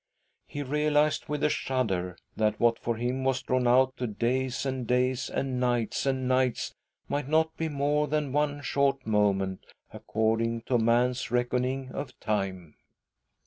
He realised with a shudder that what for him was drawn out to days and days and nights and nights might not be more than one short moment, according to man's reckoning of time.